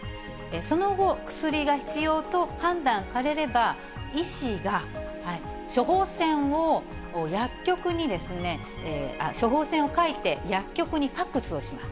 その後、薬が必要と判断されれば、医師が処方箋を薬局に、処方箋を書いて薬局にファックスをします。